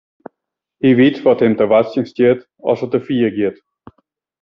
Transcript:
Hy wit wat him te wachtsjen stiet as er te fier giet.